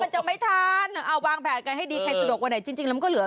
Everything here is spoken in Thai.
มันจะไม่ทันก็วางแผนกันให้ดีใครสุดอกวันอันจริงจริงแล้วมันก็หรือ